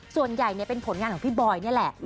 ส่วนใหญ่เป็นผลงานของพี่บอยนี่แหละ